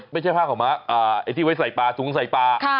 ไม่ใช่ผ้าขาวม้าไอ้ที่ไว้ใส่ปลาถุงใส่ปลา